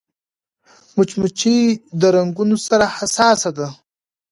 مچمچۍ د رنګونو سره حساسه ده